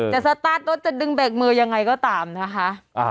สตาร์ทรถจะดึงเบรกมือยังไงก็ตามนะคะ